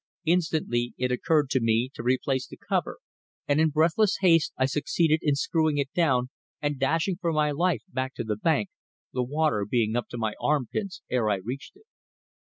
Instantly it occurred to me to replace the cover, and in breathless haste I succeeded in screwing it down and dashing for my life back to the bank, the water being up to my arm pits ere I reached it.